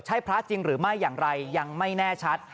ใช่พระจริงหรือไม่อย่างไรยังไม่แน่ชัด